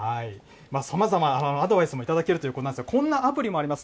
さまざまアドバイスも頂けるということなんですが、こんなアプリもあります。